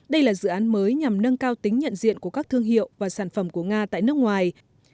đây là dự án mới nhằm nâng cao tính nhận diện của các thương hiệu và sản phẩm của nga tại nước ngoài